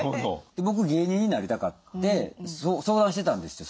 僕芸人になりたかって相談してたんですよ